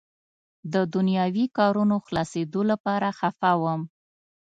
د دنیاوي کارونو خلاصېدو لپاره خفه وم.